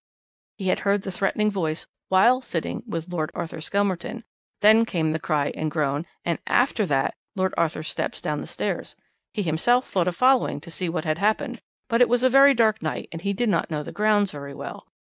"He had heard the threatening voice while sitting with Lord Arthur Skelmerton; then came the cry and groan, and, after that, Lord Arthur's steps down the stairs. He himself thought of following to see what had happened, but it was a very dark night and he did not know the grounds very well.